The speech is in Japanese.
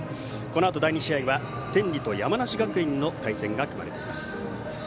このあと、第２試合は天理と山梨学院の対戦が組まれています。